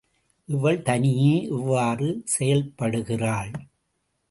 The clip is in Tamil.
இவள் தனியே இவ்வாறு செயல்படுகிறாள்.